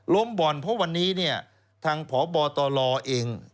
ล้มบอลเพราะวันนี้ทางผบตลเอง